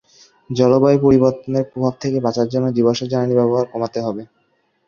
জলবায়ু পরিবর্তনের প্রভাব থেকে বাঁচার জন্য জীবশ্ম জ্বালানি ব্যবহার কমাতে হবে।